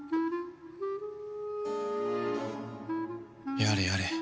やれやれ